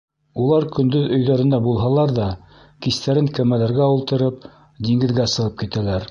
Улар көндөҙ өйҙәрендә булһалар ҙа, кистәрен кәмәләргә ултырып, диңгеҙгә сығып китәләр.